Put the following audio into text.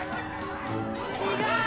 違う！